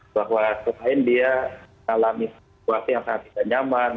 bahwa selain dia mengalami situasi yang sangat tidak nyaman